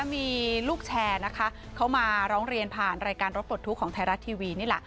มีลูกแชร์นะคะเขามาร้องเรียนผ่านรายการรถปลดทุกข์ของไทยรัฐทีวีนี่แหละ